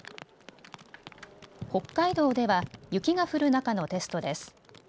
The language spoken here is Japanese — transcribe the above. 北海道では雪が降る中のテストです。